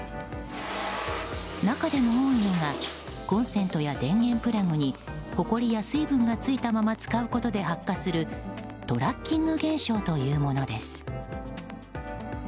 中でも多いのがコンセントや電源プラグにほこりや水分が付いたまま使うことで発火するトラッキング現象というものです。